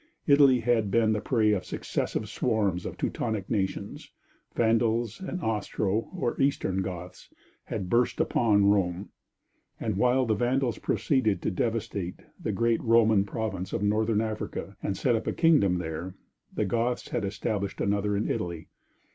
Italy had been the prey of successive swarms of Teutonic nations. Vandals and Ostro or Eastern Goths had burst upon Rome, and while the Vandals proceeded to devastate the great Roman province of Northern Africa and set up a kingdom there, the Goths had established another in Italy.